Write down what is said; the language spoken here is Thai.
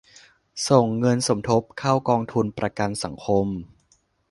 ส่งเงินสมทบเข้ากองทุนประกันสังคม